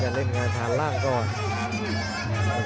สวัสดิ์นุ่มสตึกชัยโลธสวัสดิ์